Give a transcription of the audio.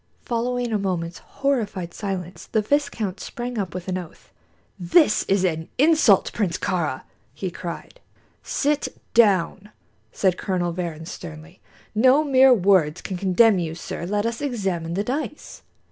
Following a moment's horrified silence, the viscount sprang up with an oath. "This is an insult, Prince Kāra!" he cried. "Sit down," said Colonel Varrin, sternly. "No mere words can condemn you, sir. Let us examine the dice."